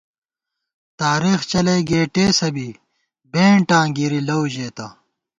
تارېخ چلَئ گېٹېسہ بی بېنٹاں گِرِی لَؤ ژېتہ